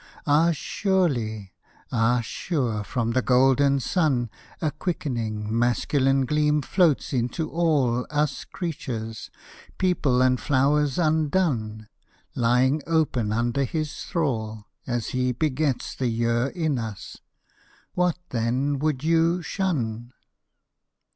Ah, surely! Ah, sure from the golden sun A quickening, masculine gleam floats in to all Us creatures, people and flowers undone, Lying open under his thrall, As he begets the year in us. What, then, would you shun?